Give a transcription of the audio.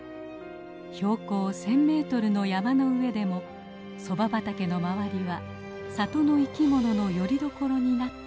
標高１，０００メートルの山の上でもソバ畑の周りは里の生きもののよりどころになっているのです。